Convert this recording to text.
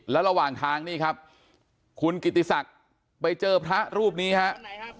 แล้วระหว่างทางนี่ครับคุณกิติศักดิ์ไปเจอพระรูปนี้ครับ